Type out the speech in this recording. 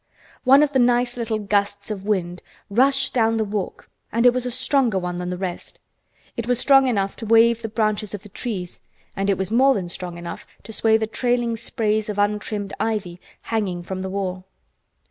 One of the nice little gusts of wind rushed down the walk, and it was a stronger one than the rest. It was strong enough to wave the branches of the trees, and it was more than strong enough to sway the trailing sprays of untrimmed ivy hanging from the wall.